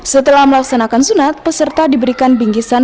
setelah melaksanakan sunat peserta diberikan bingkisan